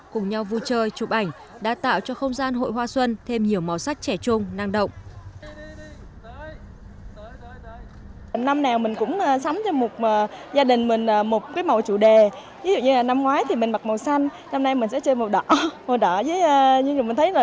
cùng nhau vui chơi chụp ảnh đã tạo cho không gian hội hoa xuân thêm nhiều màu sắc trẻ trung năng động